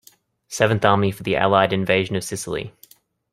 Seventh Army for the Allied invasion of Sicily.